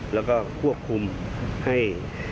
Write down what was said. แล้วก็ควบคุมให้